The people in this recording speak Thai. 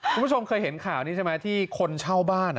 คุณผู้ชมเคยเห็นข่าวนี้ใช่ไหมที่คนเช่าบ้าน